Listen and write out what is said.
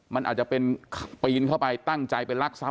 มันอาจจะเป็นปีนเข้าไปตั้งใจไปรักทรัพ